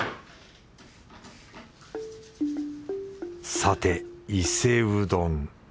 さて伊勢うどん。